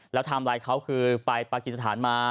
แล้วไทม์ไลน์เขาคือไปปากกิจสถานมา